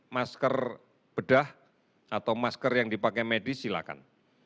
masker bedah atau masker yang dipakai medis silakan